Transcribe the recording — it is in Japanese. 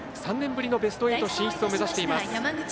３年ぶりのベスト８進出を目指しています。